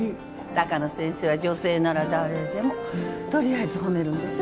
鷹野先生は女性なら誰でもとりあえず褒めるんでしょ？